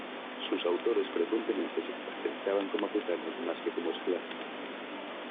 Sus autores frecuentemente se caracterizaban como africanos más que como esclavos.